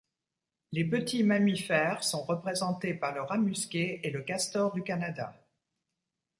Les petits mammifères sont représentés par le rat musqué et le castor du Canada.